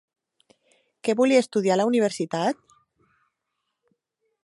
Què volia estudiar a la Universitat?